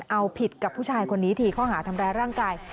เอาผิดกับผู้ชายคนนี้ทีข้อหาทำร้ายร่างกาย